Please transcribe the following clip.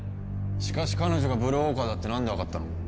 しかし彼女がブルーウォーカーだって何で分かったの？